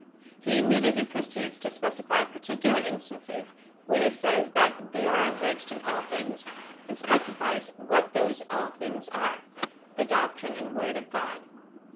He imme diately proceeds to specify particular instances, when he says that they are enriched in all tilings, and specifies what those all things are — the doctrine and word of God.